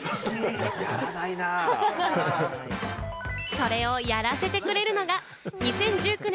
それをやらセてくれるのが、２０１９年